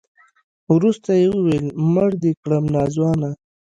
وروسته يې وويل مړ دې کړم ناځوانه.